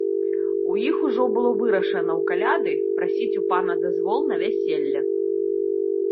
У іх ужо было вырашана ў каляды прасіць у пана дазвол на вяселле.